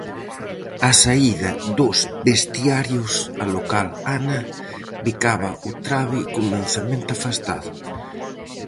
Á saída dos vestiarios a local Ana bicaba o trabe cun lanzamento afastado.